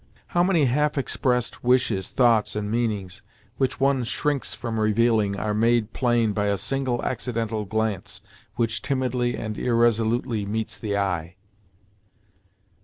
How many half expressed wishes, thoughts, and meanings which one shrinks from revealing are made plain by a single accidental glance which timidly and irresolutely meets the eye!